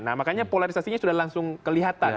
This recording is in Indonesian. nah makanya polarisasinya sudah langsung kelihatan